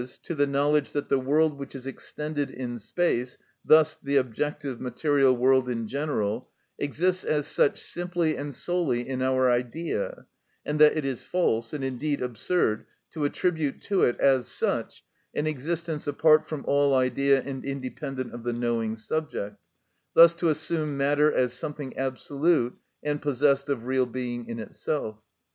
_, to the knowledge that the world which is extended in space, thus the objective, material world in general, exists as such simply and solely in our idea, and that it is false, and indeed absurd, to attribute to it, as such, an existence apart from all idea and independent of the knowing subject, thus to assume matter as something absolute and possessed of real being in itself.